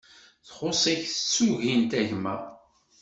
Txuṣ-ik tsugint a gma